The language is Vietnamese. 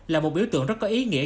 là một biểu tượng rất có ý nghĩa